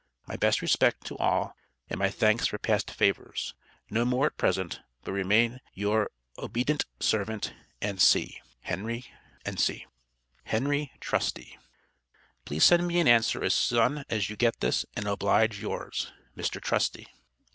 My Best Respect to all and my thanks for past favours. No more at present But Remain youre obedented Servent &c. HENRY TRUSTY. Please send me an answer as son as you get this, and, oblige yours, MR TRUSTY.